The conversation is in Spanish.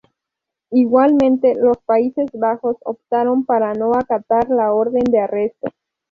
Igualmente los Países Bajos optaron por no acatar la orden de arresto.